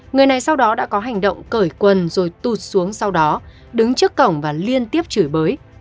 người này sau đó đã có hành động cởi quần rồi tụt xuống sau đó đứng trước cổng và liên tiếp chửi bới